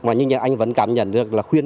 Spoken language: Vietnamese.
mà nhưng anh vẫn cảm nhận được là khuyên